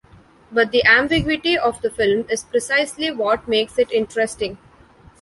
But the ambiguity of the film is precisely what makes it interesting.